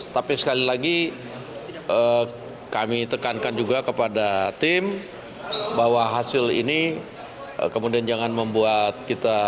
tapi sekali lagi kami tekankan juga kepada tim bahwa hasil ini kemudian jangan membuat kita